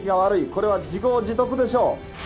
これは自業自得でしょう。